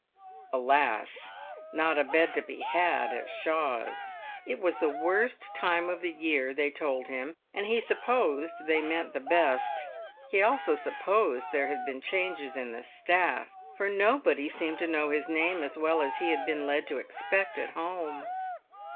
Alas! not a bed to be had at Shaw's; it was the worst time of the year, they told him, and he supposed they meant the best. He also supposed there had been changes in the staff, for nobody seemed to know his name as well as he had been led to expect at home.